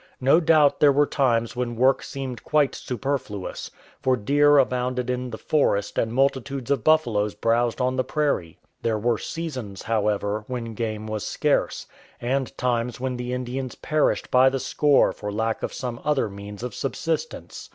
No doubt there were times when work seemed quite super fluous, for deer abounded in the forest and multitudes of buffaloes browsed on the prairie. There were seasons, however, when game was scarce, and times when the Indians perished by the score for lack of some other means of subsistence.